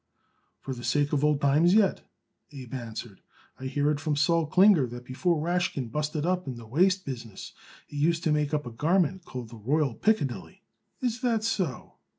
"For the sake of old times yet," Abe answered. "I hear it from Sol Klinger that before Rashkin busted up in the waist business he used to make up a garment called the Royal Piccadilly." "Is that so?"